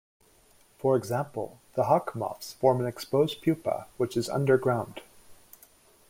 For example, the hawk moths form an exposed pupa which is underground.